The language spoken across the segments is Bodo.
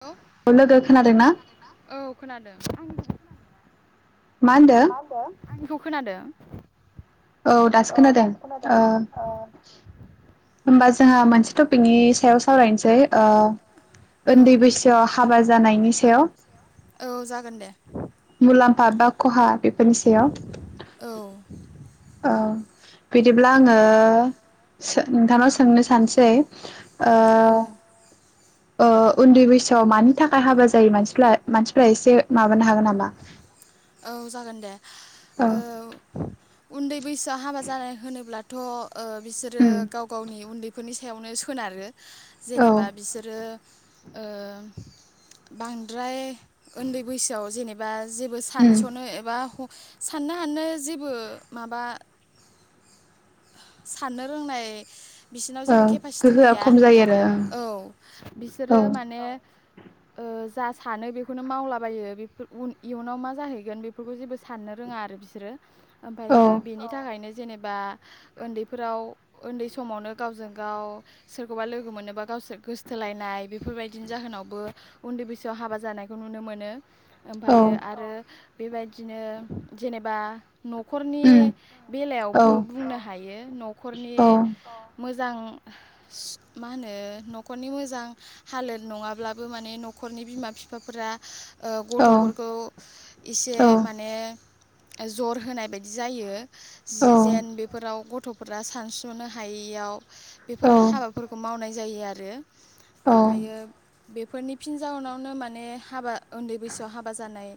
औ लोगो खोनादोंना आंनिखौबो खोनादोंना मा होनदो आंनिखौ खोनादो औ दासो खोनादों होमबा जोंहा मोनसे टपिकनि सायाव सावरायनोसै उन्दै बैसोआव हाबा जानायनि सायाव औ जागोन दे मुलाम्फा बा खहा बेफोरनि सायाव। औ औ बिदिब्ला आङो सो नोंथांनाव सोंनो सानसै ओ औ ओ उन्दै बैसो सोआव मानि थाखाय हाबा जायो मानसिफ्ला-मानसिफ्रा एसे माबानो हागोन नामा? औ जागोन दे औ उन्दै बैसोआ हाबा जानाय होनोब्लाथ' ओ बिसोरो उम गाव गावनि उन्दैफोरनि सायावनो सोनारो औ जेनेबा बिसोरो ओ बांद्राय ओन्दै बैसोआव जेनेब बा जेबो उम सानसनो एबा हम साननो हानो जेबो माबा साननो रोंनाय बिसिनाव औ जेबो केपासिटि गोहोआ फैया खम जायो आरो औ बिसोरो ओं माने ओ जा सानो बेखौनो मावलाबायो बेफोर उन इयुनाव मा जाहैगोन बेफोरखौ जेबो साननो रोङा आरो बिसोरो औ आमफायो बेनि थाखायनो जो जेनेबा ओन्दैफोराव ओन्दै समावनो गावजों गाव सोरखौबा लोगो मोनोबा गावसोर गोसथोलायनाय बेफोरबायदिनि जाहोनावबो उन्दै बैसोआव हाबा जानायखौ नुनो मोनो। औ ओमफायो आरो बेबायदिनो जेनेबा न'खरनि उम औ बेलायावबो बुंनो हागोन हायो नखरनि औ मोज जां सु मा होनो न'खरनि मोजां हालोद नङाब्लाबो माने न'खरनि बिमा बिफाफोरा औ गथ'फोरखौ इसे औ माने जर होनाय बायदि जायो जि‌ औ जेन बे गथ'फोरा सानसुनो हायैयाव बेफोर हाबाफोरखौ मावनाय जायो आरो। औ ओमफायो बेफोरनि फिन जाउनावनो माने हाबा उन्दै बैसोआव हाबा जानाय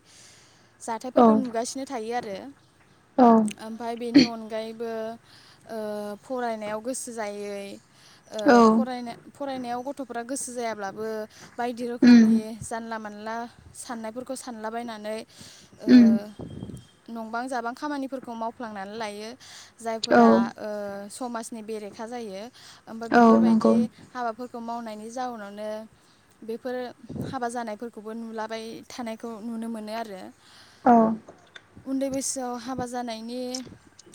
जाथायफोरखौ औ नुगासिनो थायो आरो औ ओमफाय बेनि अनगायै बो ओ फरायनायाव गोसो जायै औ ओ फरायनाय फरायनायाव गथ'फोरा गोसो जायाब्लाबो बायदि उम रोखोमनि जानला मानल ला साननायफोरखौ सानलाबायनानै ओ उम नंबां जाबां खामानिफोरखौ मावफ्लांनानै लायो औ जायफोरा ओ समाजनि बेरेखा जायो। ओमफाय औ नंगौ बेफोरबायदि हाबाफोर खौ मावनायनि जाउनावनो बेफोर हाबा जानायफोरखौबो नुलाबाय थानायखौ नुनो मोनो आरो। औ उन्दै बैस याव हाबा जानायनि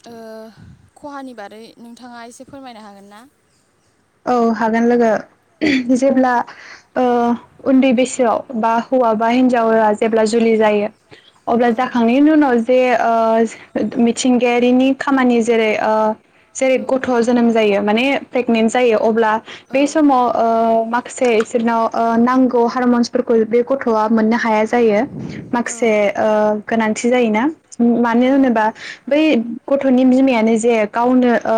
ओ खहानि बारै नोंथाङा एसे फोरमायनो हागोन ना? औ हागोन लोगो जेब्ला ओ उन्दै बैसोआव बा हौवा बा हिनजावा जेब्ला जुलि जायो अब्ला औ जाखांनायनि उनाव जे ओ मिथिंगायारिनि खामानि जेरै ओ जेरै ओ गथ' जोनोम जायो माने प्रेगनेन्सि जायो। अब्ला बे समाव ओ माखसे बिसोरनाव नांगौ हारमन्सफोरखौ बे गथ'आ मोननो हाया माखसे ओ गोनां थि जायोना? मानो होनोबा बै गथनि बिमायानो जे गावनो ओ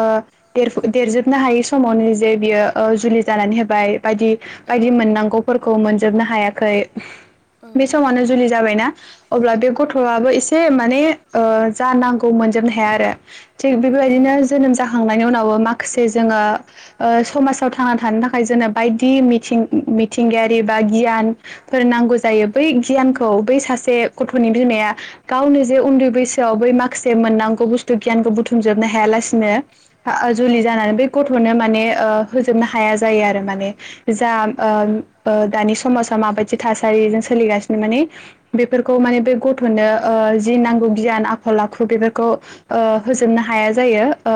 देरफ-देरजोबनो हायि सम मावनो जे बियो जुलि जानानै होबाय बायदि बायदि माने मोननांगौफोरखौ मोन जोबनो हायाखै बे समावनो जुलि जाबायना अब्ला बे गथ'आबो एसे माने जानां गौमोन जोबनो हाया आरो थिग बेबायदिनो जोनोम जाखांनायनि उनावबो माखा खासे जोङो ओ समाजाव थांना थानो थाखाय जोंनो बायदि मिथिं-मिथिंगायारि बेबा गियान फोर नांगौ जायो बै गियानखौ बै सासे गथ'नि बिमाया गावनो जे उन्दै बैसोआव बै माखासे मोननांगौ बुस्थु गियानखौ बुथुमजोबनो हाया लासेनो ओ जुलि जानानै बै गथ' नो माने ओ होजोबनो हाया जायो आरो माने जा ओ दा दानि समाजाव माबायदि थासारिजों सोलिगासिनो माने बेफोरखौ माने बे गथ'नो ओ जि नांगौ गियान आखल आखु बेफोरखौ ओ होजोबनो हाया जायो ओ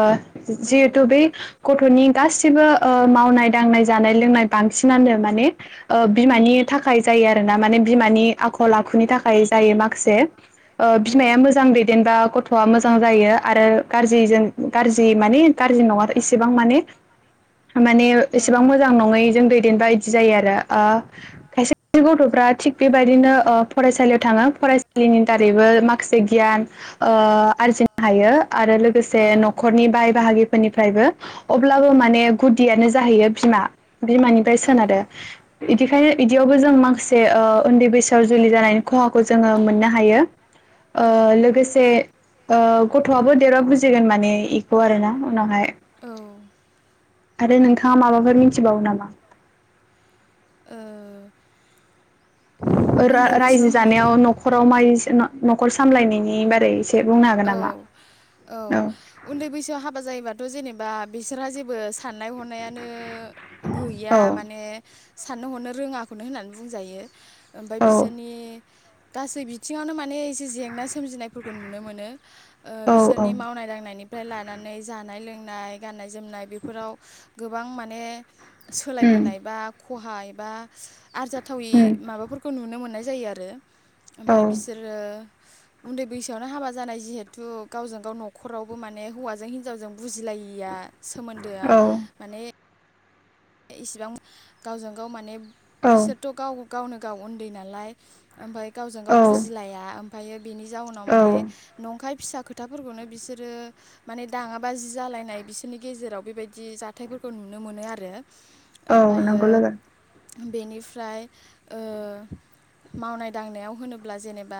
जिहेथु बै गथ'नि गासिबो ओ मावनाय दांनाय जानाय लोंनाय बांसिनानो माने ओ बिमानि थाखाय जायो आरोना माने बिमानि आखल आखुनि थाखाय जायो माखासे ओ बिमाया मोजां दैदेनबा गथ'आ मोजां जायो आरो ग्रिजों गाज्रि माने गाज्रि नङा इसेबां माने माने एसेबां मोजां नङै जों दैदेनबा इदि जायो आरो। आ खायसे गथ'फ्रा थिग बेबायदिनो ओ फरायसालियाव थाङो फरायसालिनि दारैबो माखासे गियान ओ आरजिनो हायो आरो लोगोसे ओ आरो नखरनि बाय बाहागिफोरनिफ्रायबो। अब्लाबो माने गुदियानो जाहैयो बिमा बिमानिफ्राय सोनारो बिमानिफ्राय इदिखाय बिदियावबो जों माखासे ओ उन्दै बैसोआव जुलि जानायनि खहाखौ जोङो मोननो हायो ओ लोगोसे ओ गथ'आबो देरबा बुजि जोगोन माने इखौ आरो ना उनावहाय। औ। आरो नोंथाङा माबाफोर मिथिबावो नामा? ओ उन्दै रा-रायजो बैसोआव हा जानायाव नखराव माइ नखर सामलायनायनि बारै एसे बुंनो हागोन औ नामा? औ उन्दै बैसोआव हाबा जायोबा थ जेनेबा बिसोरहा जेबो साननाय हनायानो गैया औ माने साननो हनो रोङाखौनो होननानै बुंजायो। ओमफाय औ बिसोरनि गासै बिथिङावनो माने एसे जेंना सोमजिनायफोरखौ नुनो मोनो। ओ औ औ बिसोरनि मावनाय दांनायनि फ्राय लानानै जानाय लोंनाय गाननाय जोमनाय बेफोराव गोबां माने उम सोलायबोनाय बा खहा एबा आरजाथावै उम माबाफोरखौ नुनो मो हनाय जायो आरो। औ ओमफाय बिसोरो उन्दै बैसोआवनो हाबा जानाय जिहेथु गावजों गाव नखरावबो माने हौवाजों हिनजावजों बुजिलायिया सोमोन्दोआ औ माने इसिबां गावजों गाव माने औ बिसोरथ गाव गावनो गाव उन्दै नालाय ओमफ्राय गावजों गाव औ बुजिलाया ओम [unintelligible] बेनि जाउनाव औ माने नंखाय फिसा खोथाफोरखौनो बिसोरो माने दाङाबाजि जालायनाय बिसोरनि गेजेराव बेबायदि जाथायफोरखौ नुनो मोनो आरो। औ ओमफायो नंगौ लोगो। बेनिफ्राय ओ मावनाय दांनायाव होनोब्ला जेनेबा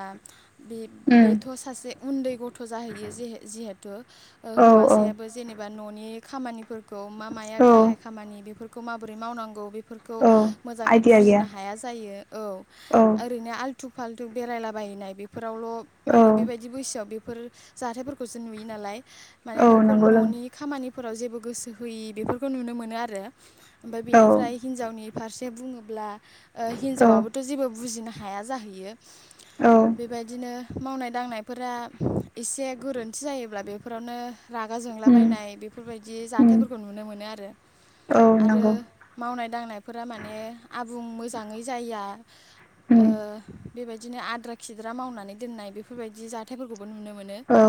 उम बे-बेथ सासे उन्दै गथ जाहैयो जिहे-जिहेथु औ औ हौवासायाबो जेनेबा ननि नि खामानिफोरखौ खौ मा माया औ गाहाय खामानि बेफ फोरखौ माब्रै मावनांगौ बे बेफोरखौ औ मोजाङै आइदिया गैया बुजिनो हाया जायो औ औ ओरैनो आलथु फाल्थु बेरायलाबायनाय बे फोरावल औ माने बेबायदि बैसोआव बे बेफोर जाथायफोरखौसो नुयो नालाय माने औ नफोर नंगौ लोगो ननि खामानि फोराव जेबो गोसो होयि बेफोरखौ नुनो मोनो आरो। ओमफाय औ बेनिफ्राय हिनजावनि फारसे बे बुङोब्ला ओ औ हिनजावाबबोथ जेबो बुजिनो हा हाया जाहैयो। औ बेबायदिनो मावनाय दांनायफोरा एसे गोरोन्थि जायोब्ला बे फोरावनो रागा उम जोंलाबायनाय बेफोरबायदि उम जाथायाइफोरखौ नुनो मोनो आरो। औ आरो नंगौ मावनाय दांनायफोरा माने आबुं मोजाङै जाया उम ओ बेबायदि बिदिनो आद्रा खिद्रा मावनानै दोननाय बेफोरबायदि जाथायफोरखौ बो नुनो मोनो औ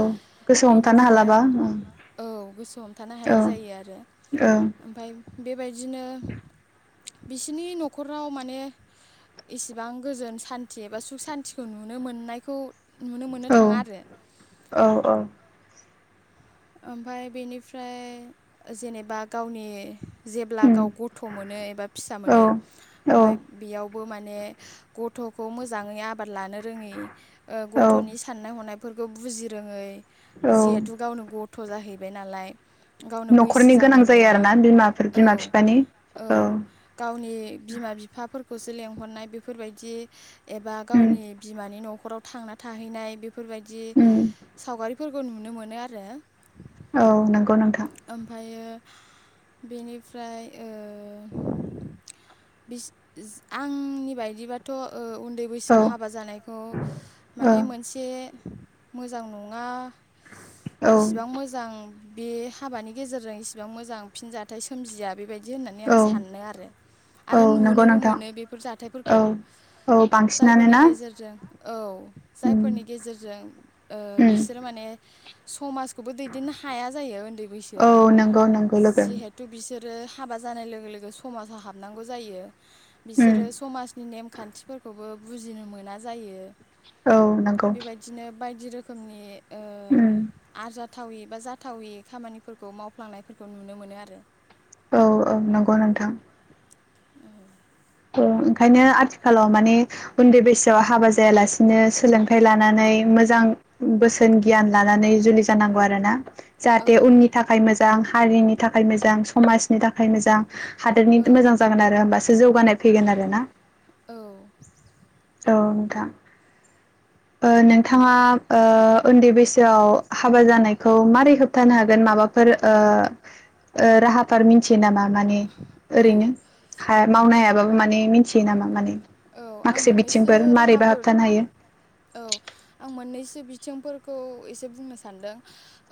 गोसोआव हमथानो बेनिफ्राय हालाबा औ औ गोसो हमथानो औ हायि जायो आरो औ ओमफाय बेबायदिनो बिसिनि नखराव माने इसेबां गोजोन सान्थि एबा सुख सान्थिखौ नुनो मोननायखौ नुनो मोननो थाङा आरो। औ औ ओमफाय बेनिफ्राय जेनेबा गावनि औ जेब्ला गाव गथ मोनो एबा फिसा मोनो ओमफाय औ बेयाव बो माने गथखौ मोजाङै आबाद लानो रोङै ओ औ गथनि साननाय हनाय फोरखौ बुजि रोङै औ जिहेथु गावनो ग थ जाहैबाय नालाय। गावनो बैसो न'खरनि गोनां जानाय जायो नङा आरोना बिमाफोर औ बिमा बिफानि औ गावनि बिमा बिफाफोर खौसो लेंहरनाय बेफोरबायदि एबा उम गावनि बिमानि न खराव थांना थाहैनाय बे फोरबायदि उम सावगारि फोरखौ नुनो मोनो आरो। औ नंगौ नोंथां। ओमफ्रायो बेनिफ्राय ओ बिस-इस आंनि बायदिबाथ ओ उन्द उन्दै बैसोआव औ हाबा जानायखौ औ माने मोनसे मोजां नङा औ बां मोजां बे हाबानि गेजेरजों इसिबां मोजां फिनजथायाइ सोमजिया बेबायदि बिदि होननानै आं औ सानो आरो औ आरो नंगौ नुनोबो नोंथां मोनो बेफोर औ जाथायफोरखौ औ बांसिनानो जायफोरनि ना गेजेरजों औ उम जायफोरनि गेजेरजों ओ उम बिसोरो माने समाज खौबो दैदेननो हाया जायो उन्दै औ बैसोआव नंगौ नंगौ लोगो जिहेथु बिसोर आरो हाबा जानाय लोगो लोगो समाजाव हाबनांगौ जायो। उम बिसोरो समाजनि नेम खान्थिफोरखौबो बुजिनो मोना जायो। औ नंगौ बेबायदिनो बायदि रोखोम रोखोमनि ओ उम आरजाथावि बा जाथावि खामानिफोरखौ मावफ्लांनायफोरखौ नुनो मोनो आरो औ औ नंगौ नोंथां ओ ओंखायनो आथिखालाव माने उन्दै बैसोआव हाबा जायालासिनो सोलोंथाइ लानानै मोजां बोसोन गियान लानानै जुलि जानांगौ आरोना औ जाहाथे उननि थाखाय मोजां हारिनि थाखाय मोजां समाज नि थाखाय मोजां हादोरनि औ मोजां जागोन आरो होमबासो जौगानाय फैगोन आरोना औ औ नोंथां ओ नोंथाङा ओ उन्दै बैसोआव हाबा जानायखौ मारै होबथानो हागोन माबाफोर ओ ओ राहाफोरार मिनथियो नामा माने औ ओरैनो हाया मावनो हाया बाबो माने मिथियो नामा माने औ आं माखासे मोननैसो बिथिंफोर मारैबा राहाफोर हाबथानो हायो औ आं मोननैसो बिथिंफोरखौ एसे बुंनो सानदों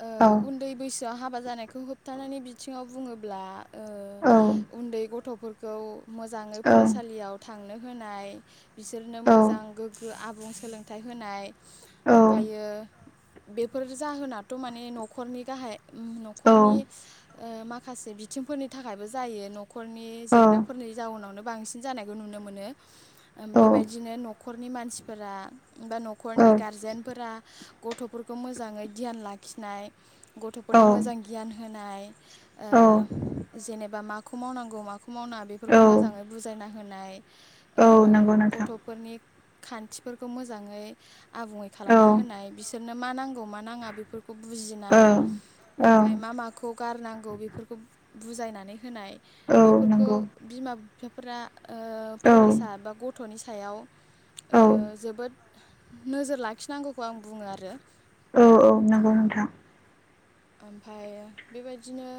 ओ औ उन्दै बैसोआव हाबा जानायखौ होबथानायनि बिथिङाव बुङोब्ला ओ औ उन्दै गथ फोरफोरखौ मोजाङै औ फरायसालियाव था थांनो होनाय बिसोरनो मोजां गोग्गो आबुं सोलोंथाइ होनाय औ ओमफायो बेफोर जाहोनाथ माने नखरनि गाहाइ उम नखरनि ओ माखासे बिथिंफोरनि थाखायबो जायो न नखरनि जेंनाफोरनि जाउनावनो बांसिन जानायखौ नुनो मोनो। ओम बेबायदिनो न खरनि मानसिफोरा बा नखरनि गारजेनफोरा गथफोरखौ मोजाङै धियान लाखिनाय गथफोरनो मोजां गियान होनाय ओ जेनेबा माखौ मावनांगौ माखौ मावनाङा औ औ बेफोरखौ मोजाङै बुजायना हो होनाय औ नंगौ नोंथां गथ'फोरनि खान्थिफोरखौ मोजाङै। आबुङै औ खालामना होनाय बिसोर। नो मा नांगौ मा नाङा बेफोरखौ। खौ औ बुजिनाय औ ओमफाय मा माखौ गारनांगौ बेफोरखौ। बुजायनानै होनाय औ बेफोरखौ नंगौ बिमा बिफाफोरा ओ। औ फरायसा बा गथ'नि। सायाव। ओ औ जोबोद। नोजोर लाखिनांगौखौ आं बुङो आरो। औ औ नोंगौ नोंथां। ओमफाय बेबायदिनो।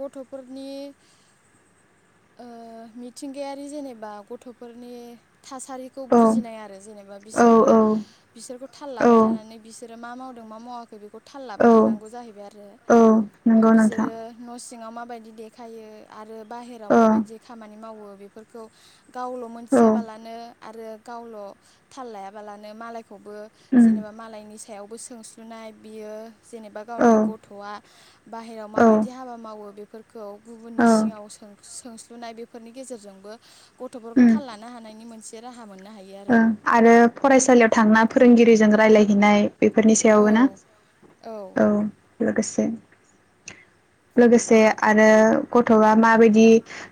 गथ'फोरनि ओ मिथिंगायारि जेनेबा गथ'फोरनि। थासारिखौ औ बुजिनाय आरो जेनेबा औ बिसोरो बिसोरखौ थाल औ लाबाय थानानै बिसोरो मा माव मा मावाखै बेखौ थाल लाबाय थानांगौ जाहैबाय आरो औ ओ नंगौ नोंथां बिसोरो सिङाव माबायदि देखायो आरो। बाहेराव औ माबायदि खामानि मावो। बेफोरखौ गावल औ मिथियाबालानो आरो। गावल थाल लायाबालानो मालाय खौबो उम जेनेबा मालायनि फिसायावबो सोंस्लुनाय बियो। जेनेबा औ गावनि गथ'आ बाहेराव औ माबायदि हाबा मावो बेफोरखौ गुबुननि औ सिाङाव सोंस्लु नाय बेफोरनि गेजेरजोंबो गथ'फोरखौ थाल लानो हानायनि मोनसे राहा मोन उम आरो फरायसालियाव थांना फोरोंगिरिजों रायलायहैनाय बेफोरनि सायावबो ना औ। लोगोसे लोगोसे आरो गथआ माबायदि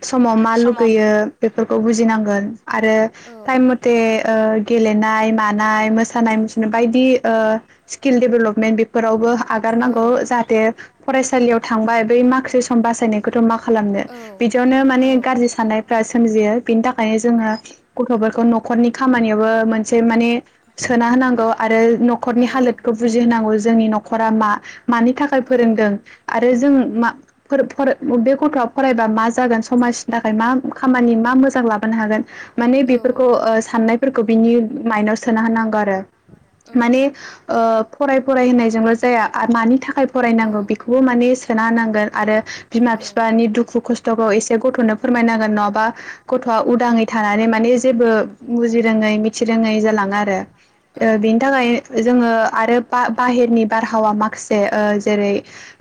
समाव मा लुगैयो बेफोरखौ बुजिनांगोन आरो औ टाइम म बे ओ गेलेनाय मानाय मोसानाय मुसुरनाय बायदि ओ स्किल डेबलप मेन्ट बेफोरावबो आगारनांगौ जाहाथे फरायसालियाव थांबाय बै माख्रि बासायनायखौथ मा खालामनो बिदियावनो माने गाज्रि साननायफ्रा सोमजियो। बेनि थाखायनो जोङो गथ'फोरखौ न' खरनि खामानियावबो मोनसे माने सोना होनांगौ आरो नखरनि हालोदखौ बुजि होनांगौ जोंनि नखर दा मा मानि थाखाय फोरोंदों आरो जों मा फोर फोर बे गथ'आ फरायबा मा जागोन समाजनि थाखाय मा खामानि मा मोजां लाबोनो हागोन माने बेफोरखौ ओ साननायफोरखौ बिनि माइन्दआव सोना होनांगौ आरो ओ माने ओ फराय फराय होनायजोंल' जाया मानि था खाय फरायनांगौ बेखौबो माने सोना होनांगोन आरो बिमा बिफानि दुखु खस्थखौ एसे गथ'नो फोरमायनांगोन नङाबा गथ'आ उदाङै थानानै माने जेबो बुजि रोङै मिथिरोङै जालाङो आरो ओ बिनि थाखाय जोङो आरो बा-बाहेरनि बारहावा माखासे जेरै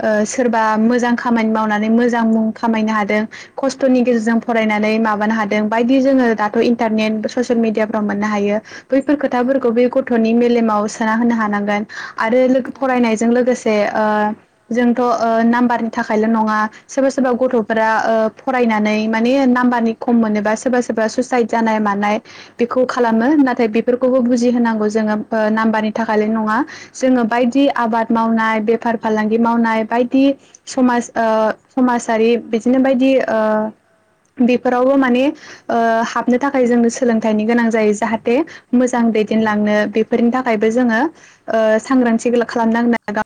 ओ सोरबा मोजां खामानि मावनानै मोजां मुं खामायनो हादों खस्थनि गेजेरजों फरायनानै माबानो हादों बायदि जोङो दाथ इन्टारनेट ससियेल मिडियाफ्राव मोननो हायो बैफोर खोथाफोरखौ बेफोर बे गथनि मेलेमाव सोना होनो हानांगोन आरो लोगो फरायनायजों लोगोसे ओ जोंथ' ओ नाम्बारनि थाखायल' नङा सोरबा सोरबा गथ'फोरा ओ फरायनानै माने नाम्बारनि खम मोनोबा सोरबा सोरबा सुसाइद जानाय मानाय बेखौ खालामो नाथाय बेफोरखौबो बुजि होनांगौ जोङो ओ नाम्बारनि थाखायलाय नङा जोङो बायदि आबाद मावनाय बेफार फालांगि मावनाय बायदि समाज ओ समाजारि बिदिनो बायदि ओ बेफोरावबो माने ओ नो थाखाय जों सोलोंथाइनि गोनां जायो जाहाथे मोजां दैदेनलांनो बेफोरनि थाखायबो जोङो ओ सांग्रांथि खालामनां